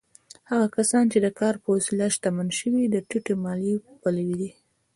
هغه کسان چې د کار په وسیله شتمن شوي، د ټیټې مالیې پلوي دي.